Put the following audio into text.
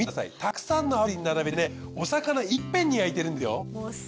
たくさんの炙輪並べてねお魚いっぺんに焼いてるんですよ。